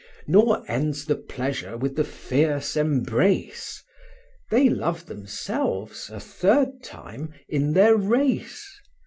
Nor ends the pleasure with the fierce embrace; They love themselves, a third time, in their race.